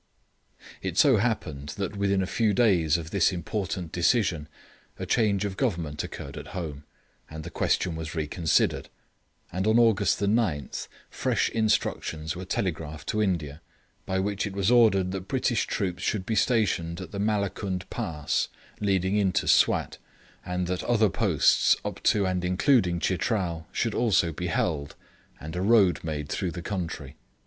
It so happened that within a few days of this important decision a change of Government occurred at home, and the question was reconsidered; and on August 9, fresh instructions were telegraphed to India, by which it was ordered that British troops should be stationed at the Malakund Pass, leading into Swat, and that other posts up to, and including, Chitral, should also be held, and a road made through the country.